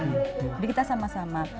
jadi kita sama sama